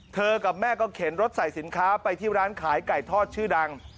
กับแม่ก็เข็นรถใส่สินค้าไปที่ร้านขายไก่ทอดชื่อดัง